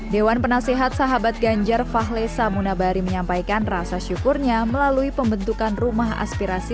dewan penasihat sahabat ganjar fahle samunabari menyampaikan rasa syukurnya melalui pembentukan rumah aspirasi